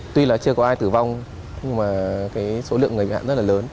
tuy là chưa có ai tử vong nhưng mà cái số lượng người bị nạn rất là lớn